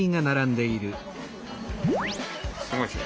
すごいですね